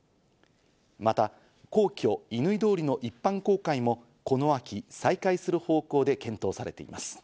また、皇居・乾通りの一般公開もこの秋、再開する方向で検討されています。